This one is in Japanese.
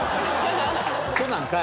嘘なんかい！？